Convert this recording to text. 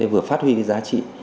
vừa phát huy cái giá trị